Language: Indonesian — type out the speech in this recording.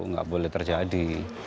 nggak boleh terjadi